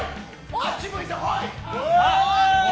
あっち向いてホイ。